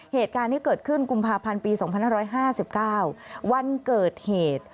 เหตุการณ์ที่เกิดขึ้นกุมภาพันธ์ปี๒๕๕๙วันเกิดเหตุ